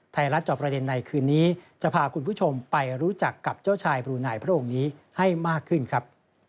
จอบประเด็นในคืนนี้จะพาคุณผู้ชมไปรู้จักกับเจ้าชายบรูนายพระองค์นี้ให้มากขึ้นครับ